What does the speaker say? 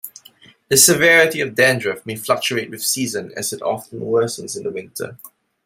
The severity of dandruff may fluctuate with season as it often worsens in winter.